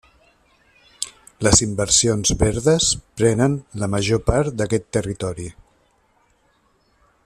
Les inversions verdes prenen la major part d'aquest territori.